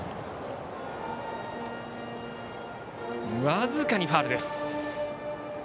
僅かにファウルです。